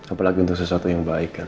apalagi untuk sesuatu yang baik kan